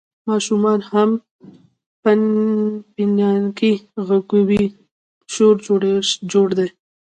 ماشومان هم پنپنانکي غږوي، شور جوړ دی.